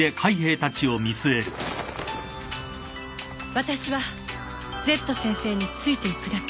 私はＺ先生についていくだけ。